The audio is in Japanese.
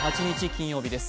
金曜日です。